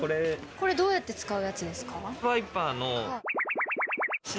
これどうやって使うやつですか？